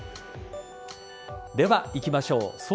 ではいきましょう